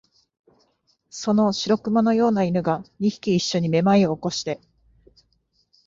その白熊のような犬が、二匹いっしょにめまいを起こして、